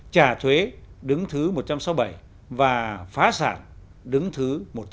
trả thuế đứng thứ một trăm sáu mươi bảy và phá sản đứng thứ một trăm hai mươi năm